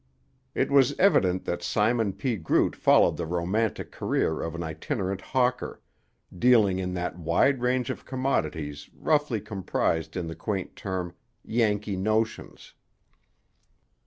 It was evident that Simon P. Groot followed the romantic career of an itinerant hawker, dealing in that wide range of commodities roughly comprised in the quaint term, "Yankee notions."